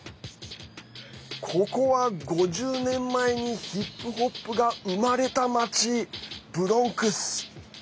ここは、５０年前にヒップホップが生まれた町ブロンクス。